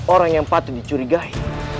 orang yang patut dicurigai